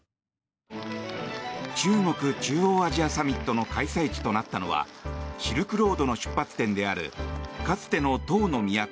中国・中央アジアサミットの開催地となったのはシルクロードの出発点であるかつての唐の都